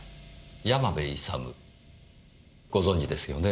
山部勇ご存じですよね？